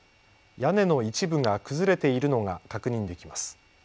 屋根の一部が崩れているのが確認できます。